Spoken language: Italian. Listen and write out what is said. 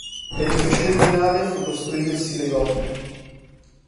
L'edificio originale fu costruito in stile gotico.